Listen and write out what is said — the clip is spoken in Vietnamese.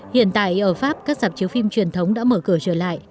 hiện tại ở pháp các dạp chiếu phim truyền thống đã mở cửa trở lại